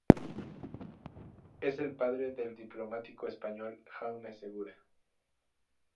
Es el padre del diplomático español Jaume Segura.